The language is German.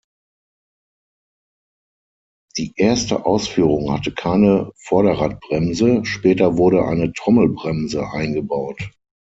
Die erste Ausführung hatte keine Vorderradbremse; später wurde eine Trommelbremse eingebaut.